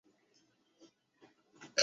此站月台上方设有全长的夹层。